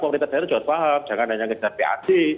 pemerintah daerah jauh paham jangan hanya ngejar pad